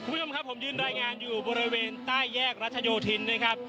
ผมยื่นรายงานอยู่บริเวณใต้แยกรัชโยธินนะครับ